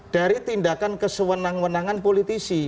dari tindakan kesewenang wenangan politisi